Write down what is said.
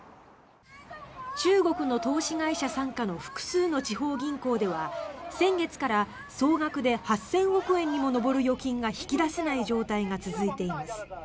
中国の投資会社傘下の複数の地方銀行では先月から総額で８０００億円にも上る預金が引き出せない状態が続いています。